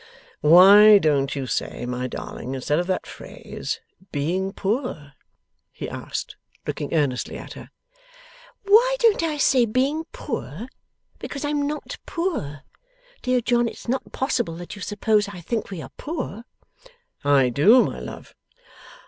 'Why don't you say, my darling instead of that phrase being poor?' he asked, looking earnestly at her. 'Why don't I say, being poor! Because I am not poor. Dear John, it's not possible that you suppose I think we are poor?' 'I do, my love.